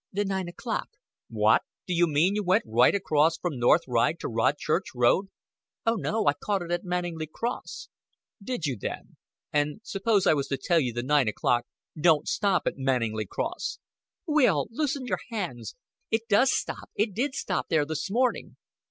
"The nine o'clock." "What! D'you mean you went right across from North Ride to Rodchurch Road?" "Oh, no. I caught it at Manninglea Cross." "Did you, then? An' s'pose I was to tell you the nine o'clock don't stop at Manninglea Cross!" "Will! Loosen your hands. It does stop it did stop there this morning."